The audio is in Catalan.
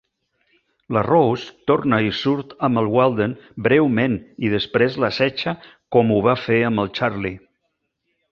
La Rose torna i surt amb el Walden breument i després l'assetja com ho va fer amb el Charlie.